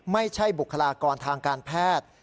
ไม่ใช่บุคลากรทางการแพทย์